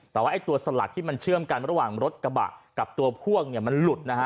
แต่ว่าไอ้ตัวสลักที่มันเชื่อมกันระหว่างรถกระบะกับตัวพ่วงเนี่ยมันหลุดนะฮะ